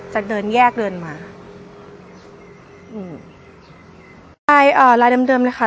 เดินแยกเดินมาอืมลายอ่าลายเดิมเดิมเลยค่ะ